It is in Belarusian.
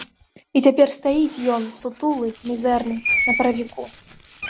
І цяпер стаіць ён, сутулы, мізэрны, на паравіку.